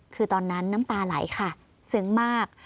คือตอนนั้นน้ำตาไหลค่ะซึ้งมาก